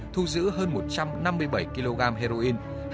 thu giữ hơn một trăm năm mươi bảy kg heroin